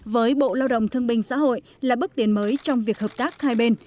với bộ lao động thương binh xã hội là bước tiến mới trong việc hợp tác hai bên